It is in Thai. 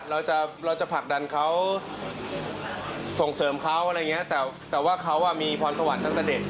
เราจะเราจะผลักดันเขาส่งเสริมเขาอะไรอย่างเงี้ยแต่ว่าเขามีพรสวรรค์ตั้งแต่เด็ก